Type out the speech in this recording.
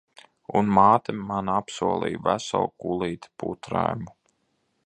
Un māte man apsolīja veselu kulīti putraimu.